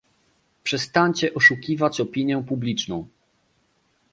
Przestańcie oszukiwać opinię publiczną